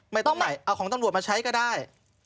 ไม่ต้องไหนเอาของตำรวจมาใช้ก็ได้